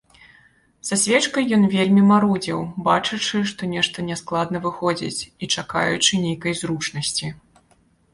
Са свечкай ён вельмі марудзіў, бачачы, што нешта няскладна выходзіць, і чакаючы нейкай зручнасці.